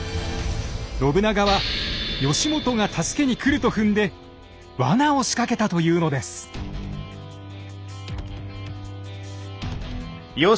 信長は義元が助けに来ると踏んでワナを仕掛けたというのです。